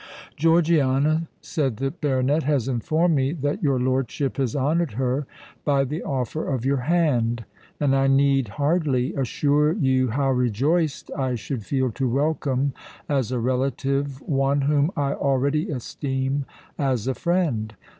"Georgiana," said the baronet, "has informed me that your lordship has honoured her by the offer of your hand; and I need hardly assure you how rejoiced I should feel to welcome as a relative one whom I already esteem as a friend.